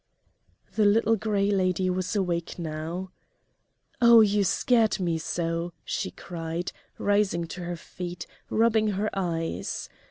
The Little Gray Lady was awake now. "Oh! you scared me so!" she cried, rising to her feet, rubbing her eyes.